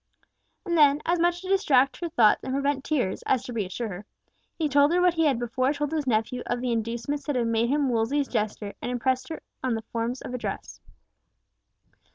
And then, as much to distract her thoughts and prevent tears as to reassure her, he told her what he had before told his nephews of the inducements that had made him Wolsey's jester, and impressed on her the forms of address.